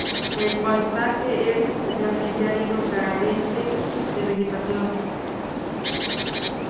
El paisaje es especialmente árido y carente de vegetación.